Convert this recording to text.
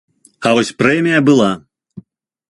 А вось прэмія была.